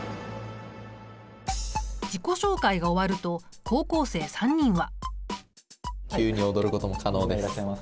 自己紹介が終わると高校生３人は。